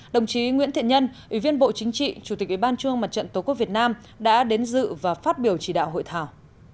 đồng chí nguyễn thiện nhân ủy viên bộ chính trị chủ tịch ủy ban trung mặt trận tổ quốc việt nam đã đến dự và phát biểu chỉ đạo hội thảo